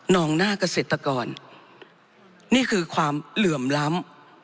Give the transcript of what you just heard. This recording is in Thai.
องหน้าเกษตรกรนี่คือความเหลื่อมล้ำ